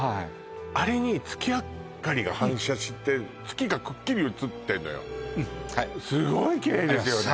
あれに月明かりが反射して月がくっきり映ってんのよすごいきれいですよね